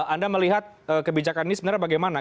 anda melihat kebijakan ini sebenarnya bagaimana